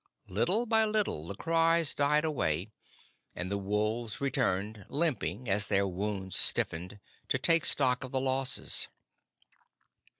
Little by little the cries died away, and the wolves returned limping, as their wounds stiffened, to take stock of the losses.